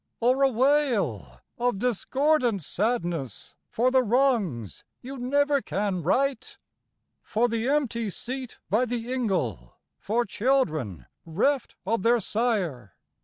Or a wail of discordant sadness for the wrongs you never can right? For the empty seat by the ingle? for children Æreft of their sire?